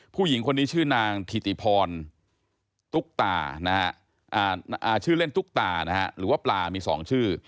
ผู้หญิงคนนี้ชื่อนางถิติพรตุ๊กตาชื่อเล่นตุ๊กตาหรือว่าปลามี๒ชื่อ